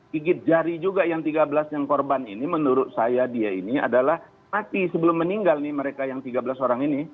gigit jari juga yang tiga belas yang korban ini menurut saya dia ini adalah mati sebelum meninggal nih mereka yang tiga belas orang ini